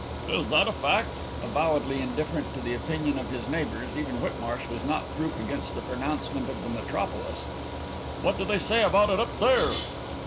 "Is that a fact?" Avowedly indifferent to the opinion of his neighbours, even Whitmarsh was not proof against the pronouncement of the metropolis. "What do they say about it up there?"